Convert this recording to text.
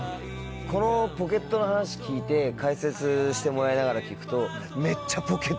このポケットの話聞いて解説してもらいながら聴くと。